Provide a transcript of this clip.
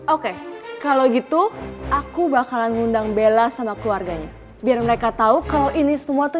oke kalau gitu aku bakalan ngundang bella sama keluarganya biar mereka tahu kalau ini semua tuh